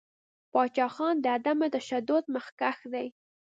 پاچاخان د عدم تشدد مخکښ دی.